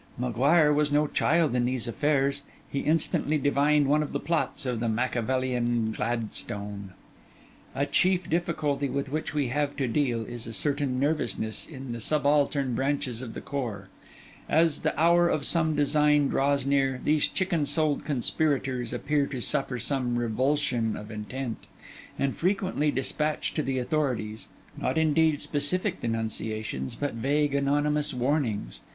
M'Guire was no child in these affairs; he instantly divined one of the plots of the Machiavellian Gladstone. A chief difficulty with which we have to deal, is a certain nervousness in the subaltern branches of the corps; as the hour of some design draws near, these chicken souled conspirators appear to suffer some revulsion of intent; and frequently despatch to the authorities, not indeed specific denunciations, but vague anonymous warnings.